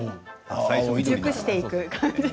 熟していく感じ。